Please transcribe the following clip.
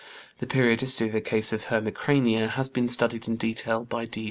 (The periodicity of a case of hemicrania has been studied in detail by D.